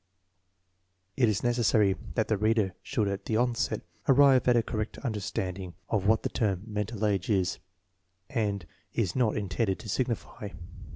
It is necessary that the reader should at the outset arrive at a correct understanding of what the term "mental age 9 ' is and is not intended to signify.